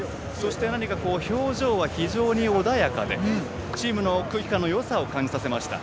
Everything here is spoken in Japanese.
表情は非常に穏やかでチームの空気感のよさを感じさせました。